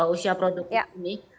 usia produk ini